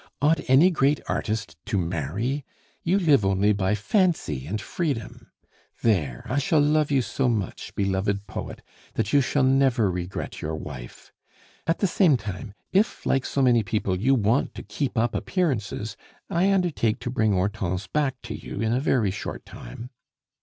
"Ought any great artist to marry? You live only by fancy and freedom! There, I shall love you so much, beloved poet, that you shall never regret your wife. At the same time, if, like so many people, you want to keep up appearances, I undertake to bring Hortense back to you in a very short time."